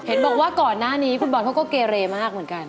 เห็นบอกว่าก่อนหน้านี้คุณบอลเขาก็เกเรมากเหมือนกัน